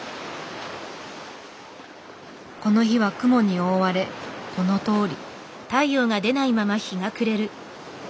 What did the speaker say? この日は雲に覆われこのとおり。